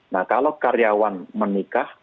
nah kalau karyawan menikah